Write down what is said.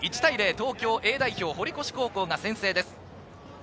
東京Ａ代表・堀越高校が先制です。